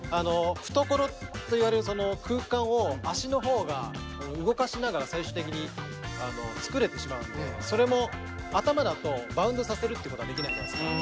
懐といわれる空間を足のほうが動かしながら最終的に作れてしまうのでそれも頭だとバウンドさせるってことができないじゃないですか。